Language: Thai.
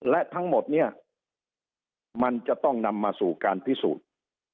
และทั้งหมดเนี่ยมันจะต้องนำมาสู่การพิสูจน์